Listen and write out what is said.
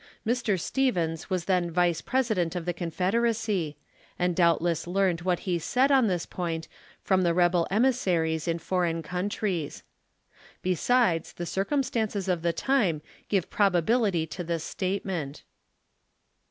Mr. Stephens was then Vice President of the Confederacy, and doubtless learned what he said on tliis point from the rebel emissaries in foreign countries. Besides the circumstan ces of the time, give probability to this statement.